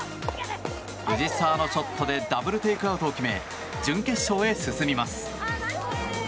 藤澤のショットでダブル・テイクアウトを決め準決勝へ進みます。